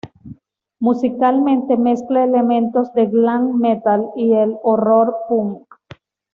Musicalmente mezcla elementos del Glam metal y el Horror punk.